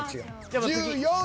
１４位。